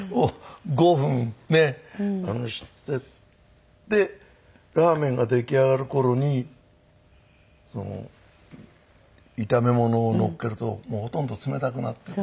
５分してでラーメンが出来上がる頃に炒め物をのっけるともうほとんど冷たくなって。